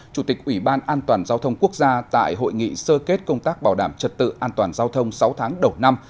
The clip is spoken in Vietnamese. chủ tịch ủy ban an toàn giao thông quốc gia tại hội nghị sơ kết công tác bảo đảm trật tự an toàn giao thông sáu tháng đầu năm